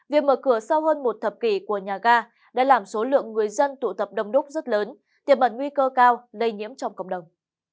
việc mở cửa sau hơn một thập kỷ của nhà ga đã làm số lượng người dân tụ tập đông đúc rất lớn tiềm ẩn nguy cơ cao lây nhiễm trong cộng đồng